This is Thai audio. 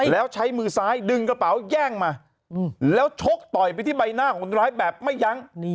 แล้วใช้มือซ้ายดึงกระเป๋าแย่งมาแล้วชกต่อยไปที่ใบหน้าของคนร้ายแบบไม่ยั้ง